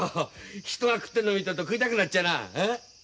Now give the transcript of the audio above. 人が食ってるの見てると食いたくなっちゃうな。